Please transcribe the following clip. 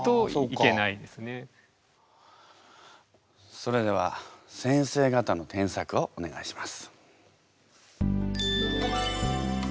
それでは内先生から発表をお願いします。